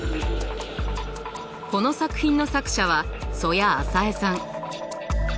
この作品の作者は曽谷朝絵さん。